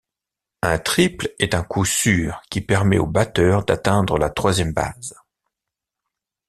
Un triple est un coup sûr qui permet au batteur d'atteindre la troisième base.